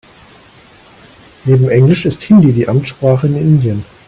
Neben englisch ist Hindi die Amtssprache in Indien.